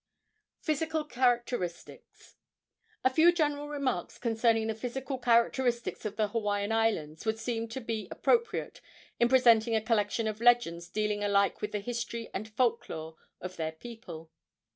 PHYSICAL CHARACTERISTICS. A few general remarks concerning the physical characteristics of the Hawaiian Islands would seem to be appropriate in presenting a collection of legends dealing alike with the history and folk lore of their people.